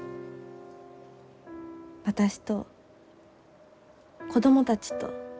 私と子供たちと。